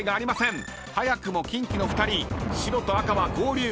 ［早くもキンキの２人白と赤は合流］